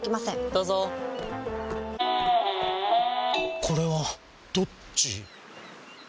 どうぞこれはどっち？